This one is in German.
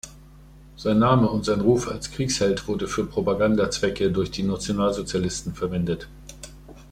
Sein Name und sein Ruf als „Kriegsheld“ wurde für Propagandazwecke durch die Nationalsozialisten verwendet.